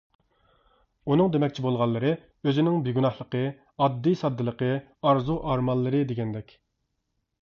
ئۇنىڭ دېمەكچى بولغانلىرى ئۆزىنىڭ بىگۇناھلىقى، ئاددىي-ساددىلىقى، ئارزۇ ئارمانلىرى دېگەندەك.